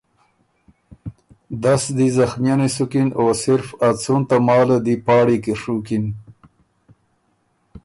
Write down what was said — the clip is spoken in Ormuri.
دس دی زخمئنی سُکِن او صرف ا څُون تماله دی پاړی کی ڒُوکِن